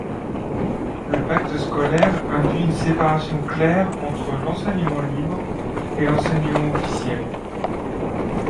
Le Pacte scolaire induit une séparation claire entre l'enseignement libre et l'enseignement officiel.